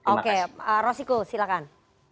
oke rosiko silahkan